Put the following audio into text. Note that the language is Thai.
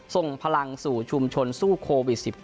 ส่งพลังสู่ชุมชนสู้โควิด๑๙